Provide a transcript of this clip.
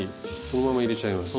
そのまま入れちゃいます。